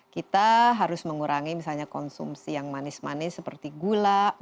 kita harus mengurangi misalnya konsumsi yang manis manis seperti gula